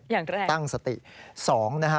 อย่างแรก